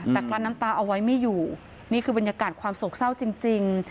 แต่กลั้นน้ำตาเอาไว้ไม่อยู่นี่คือบรรยากาศความโศกเศร้าจริง